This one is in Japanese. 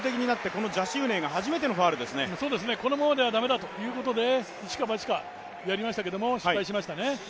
このままでは駄目だということで一か八かやりましたけど失敗しましたね。